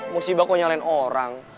musibah kok nyalain orang